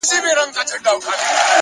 پرمختګ د عمل دوام غواړي،